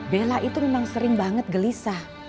bella itu memang sering banget gelisah